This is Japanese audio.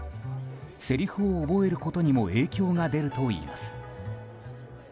せりふを覚えることにも影響が出るといいます。